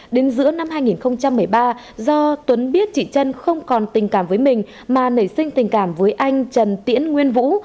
đến giữa năm hai nghìn một mươi ba do tuấn biết chị trân không còn tình cảm với mình mà nảy sinh tình cảm với anh trần tiễn nguyên vũ